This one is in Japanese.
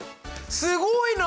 すごいな！